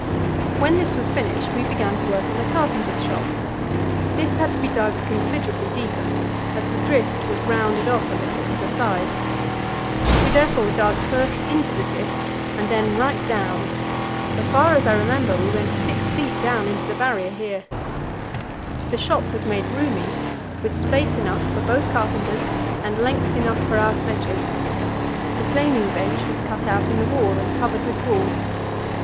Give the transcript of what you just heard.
When this was finished, we began to work on the carpenter's shop. This had to be dug considerably deeper, as the drift was rounded off a little to the side. We therefore dug first into the drift, and then right down; as far as I remember, we went 6 feet down into the Barrier here. The shop was made roomy, with space enough for both carpenters and length enough for our sledges. The planing bench was cut out in the wall and covered with boards.